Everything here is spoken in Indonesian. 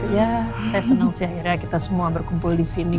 ya saya senang sih akhirnya kita semua berkumpul disini